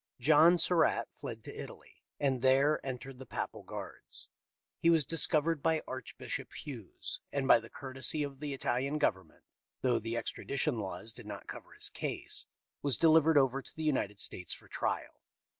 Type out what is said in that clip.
John Surra.tt fled to Italy, and there entered the Papal guards. He was discovered by Archbishop Hughes, and by the courtesy of the Italian government, though the extradition laws did not cover his case, was delivered over to the United States for trial.